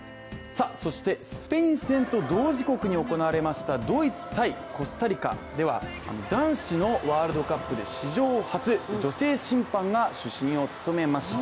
そしてスペイン戦と同時刻に行われましたドイツ×コスタリカでは男子のワールドカップで史上初、女性審判が主審を務めました。